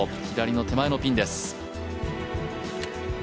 左の手前のピンです。